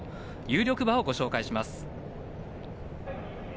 有力馬をご紹介します。